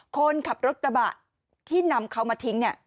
คนขับรถตระบะที่นำเขามาทิ้ง